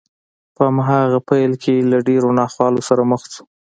په هماغه پيل کې له ډېرو ناخوالو سره مخ شو.